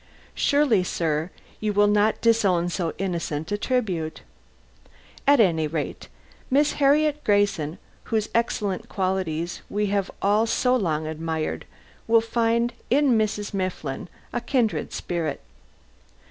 Surely, sir, you will not disown so innocent a tribute! At any rate, Miss Harriet Grayson, whose excellent qualities we have all so long admired, will find in Mrs. Mifflin a kindred spirit.